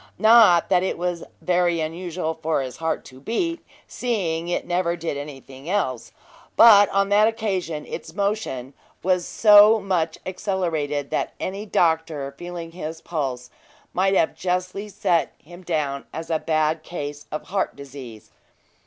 Not that it was very unusual for his heart to beat, seeing it never did anything else; but on that occasion its motion was so much accelerated, that any doctor feeling his pulse might have justly set him down as a bad case of heart disease.